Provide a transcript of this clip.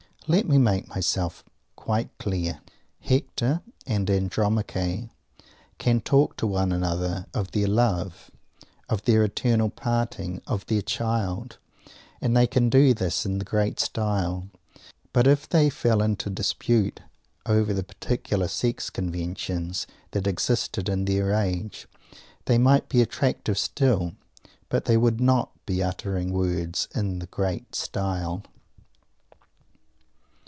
Let me make myself quite clear. Hector and Andromache can talk to one another of their love, of their eternal parting, of their child, and they can do this in the great style; but if they fell into dispute over the particular sex conventions that existed in their age, they might be attractive still, but they would not be uttering words in the "great style."